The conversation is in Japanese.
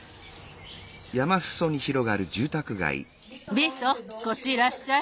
ビトこっちいらっしゃい。